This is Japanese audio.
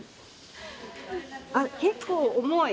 あっ結構重い。